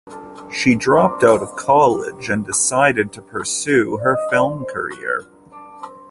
She dropped out of college and decided to pursue her film career.